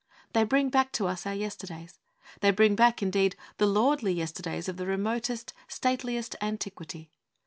They bring back to us our yesterdays; they bring back, indeed, the lordly yesterdays of the remotest, stateliest antiquity.